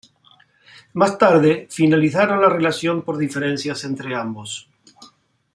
Más tarde finalizaron la relación por diferencias entre ambos.